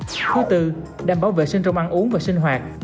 thứ tư đảm bảo vệ sinh trong ăn uống và sinh hoạt